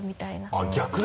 あっ逆に？